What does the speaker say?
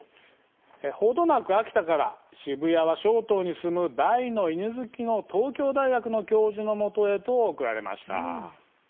程なく秋田から渋谷は松濤に住む大の犬好きの東京大学の教授のもとへと送られました。